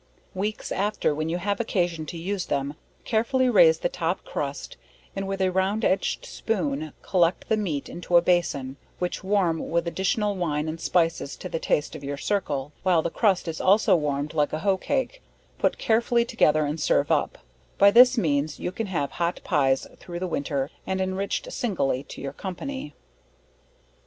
Weeks after, when you have occasion to use them, carefully raise the top crust, and with a round edg'd spoon, collect the meat into a bason, which warm with additional wine and spices to the taste of your circle, while the crust is also warm'd like a hoe cake, put carefully together and serve up, by this means you can have hot pies through the winter, and enrich'd singly to your company.